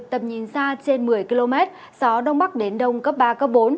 tầm nhìn xa trên một mươi km gió đông bắc đến đông cấp ba cấp bốn